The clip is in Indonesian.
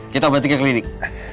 kita obat di ke klinik